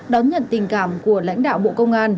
đón nhận tình cảm của lãnh đạo bộ công an